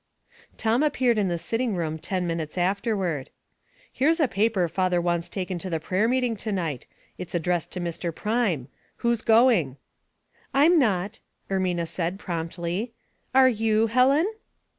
Tom appeared in the sitting room ten minutes afterward. " Here's a paper father wants taken to prayer meeting to night. It's addressed to Mr. Prime. Who's going ?"" Tm not," Ermina said, promptly, " are you^ Helen